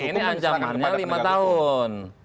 ini ancamannya lima tahun